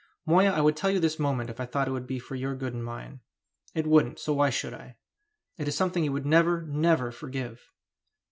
"Moya, I would tell you this moment if I thought it would be for your good and mine. It wouldn't so why should I? It is something that you would never, never forgive!"